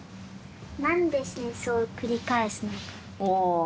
何で戦争を繰り返すのかって。